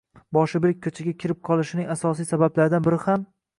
boshi berk ko‘chaga kirib qolishining asosiy sabablaridan biri ham